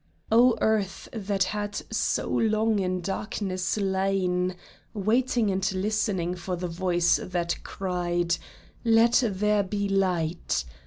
O Earth, that had so long in darkness lain, Waiting and listening for the Voice that cried, " Let there be light